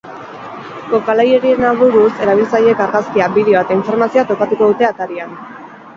Jokalariaren aburuz, erabiltzaileek argazkia, bideoa eta informazioa topatuko dute atarian.